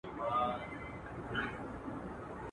لاره د خیبر، د پښتنو د تلو راتللو ده.